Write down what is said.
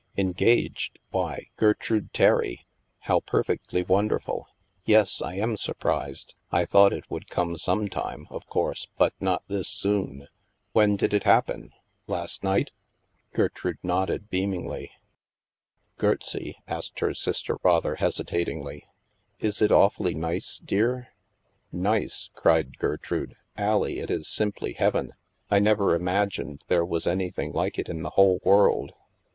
" Engaged ! Why, Gertrude Terry ! How per fectly wonderful ! Yes, I am surprised. I thought it would come some time, of course, but not this soon. When did it happen ? Last night ?"€€ St STILL WATERS 87 Gertrude nodded beamingly. Gertsie," asked her sister rather hesitatingly, is it awfully nice, dear?" Nice?" cried Gertrude. Allie, it is simply heaven. I never imagined there was an)rthing like it in the whole world.